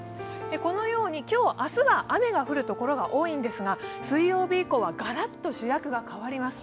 このように今日、明日は雨が降る所が多いんですが、水曜日以降はガラッと主役が代わります。